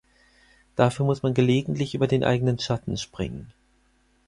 Dafür muss man gelegentlich über den eigenen Schatten springen.